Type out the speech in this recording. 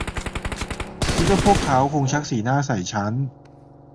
คิดว่าพวกเขาคงชักสีหน้าใส่ฉัน